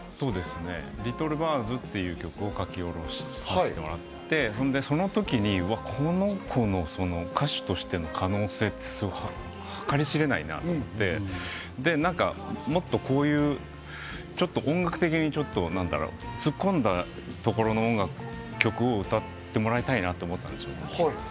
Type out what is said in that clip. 『ＬｉｔｔｌｅＢｉｒｄｓ』っていう曲を書き下ろしさせてもらって、その時に、この子の歌手としての可能性というのは計り知れないなって思って、音楽的に突っ込んだところの音楽、曲を歌ってもらいたいなと思ったんですよね。